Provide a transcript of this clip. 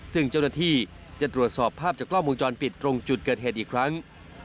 ซึ่งเจ้าหน้าที่จะตรวจสอบภาพจากกล้องวงจรปิดตรงจุดเกิดเหตุอีกครั้ง